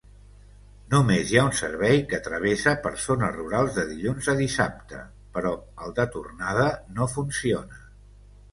Només hi ha un servei que travessa per zones rurals de dilluns a dissabte, però el de tornada no funciona.